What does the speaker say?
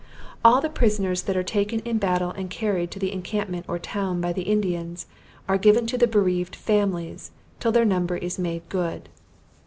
All the prisoners that are taken in battle and carried to the encampment or town by the Indians, are given to the bereaved families, till their number is made good.